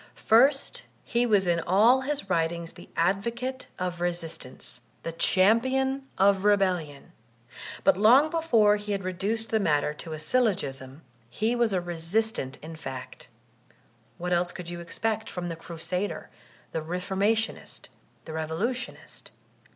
First he was in all his writmgs the advocate of resistance, the champion of rebellion. But long before he had reduced the matter to a syllogism, he was a resistant in fact. What else could you expect from the Crusader, the Re formationist, the Revolutionist?